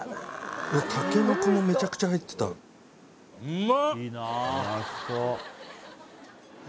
タケノコもめちゃくちゃ入ってたうんま！